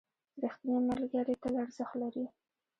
ریښتیني ملګري تل ارزښت لري.